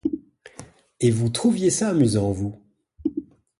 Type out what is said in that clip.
Et vous trouviez ça amusant, vous ?